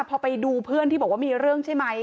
พอไปดูเพื่อนที่บอกว่ามีเรื่องใช่ไหม